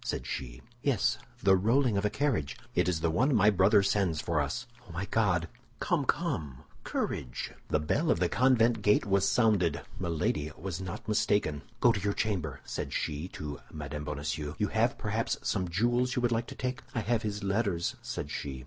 said she. "Yes, the rolling of a carriage." "It is the one my brother sends for us." "Oh, my God!" "Come, come! courage!" The bell of the convent gate was sounded; Milady was not mistaken. "Go to your chamber," said she to Mme. Bonacieux; "you have perhaps some jewels you would like to take." "I have his letters," said she.